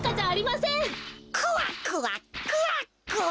クワクワクワクワ。